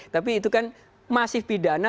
tapi itu kan masih pidana